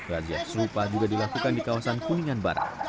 razia serupa juga dilakukan di kawasan kuningan barat